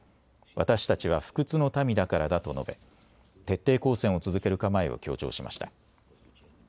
私たちは不屈の民だからだと述べ徹底抗戦を続ける構えを強調しました。